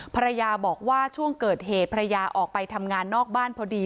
ภรรยาบอกว่าช่วงเกิดเหตุภรรยาออกไปทำงานนอกบ้านพอดี